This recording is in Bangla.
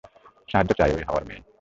সাহায্য চায় এই হাওয়ার মেয়ে।